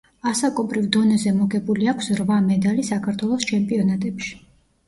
ასაკობრივ დონეზე მოგებული აქვს რვა მედალი საქართველოს ჩემპიონატებში.